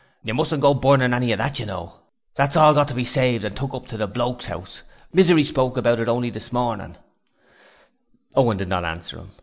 'You mustn't go burnin' any of that, you know! That's all got to be saved and took up to the bloke's house. Misery spoke about it only this mornin'.' Owen did not answer him.